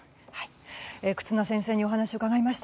忽那先生にお話を伺いました。